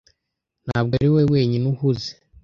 Ntabwo ari wowe wenyine uhuze.